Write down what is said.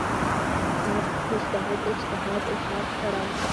هر مجتهد اجتهاد اساس کړی.